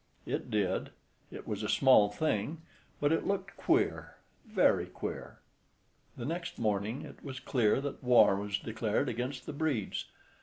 It did. It was a small thing. But it looked queer, Very queer. The next morning, it was clear that war was declared against the Bredes.